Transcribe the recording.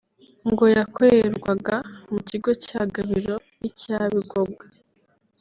ngo yakorerwaga mu kigo cya Gabiro n’icya Bigogwe